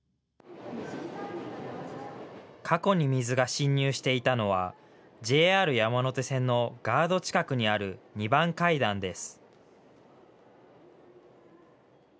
過去に水が侵入していたのはＪＲ山手線のガード近くにある２番階段です。